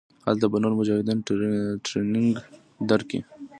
هلته به نور مجاهدين ټرېننگ درکي.